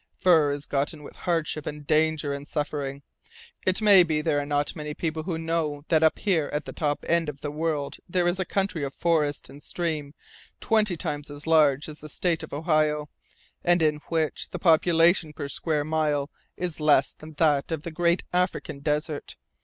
Fur is gotten with hardship and danger and suffering. It may be there are not many people who know that up here at the top end of the world there is a country of forest and stream twenty times as large as the State of Ohio, and in which the population per square mile is less than that of the Great African Desert.